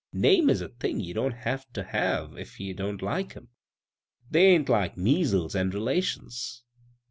Names is a thing ye don't have ter have if ye don't like 'em ; dey ain't like measles an' relations.